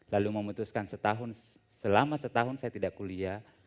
lalu memutuskan selama setahun saya tidak kuliah